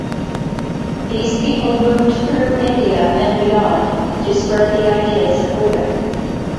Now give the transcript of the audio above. These people moved through India and beyond to spread the ideas of Buddha.